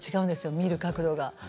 見る角度が。